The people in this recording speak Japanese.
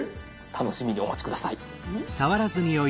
楽しみにお待ち下さい。